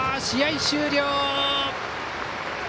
試合終了。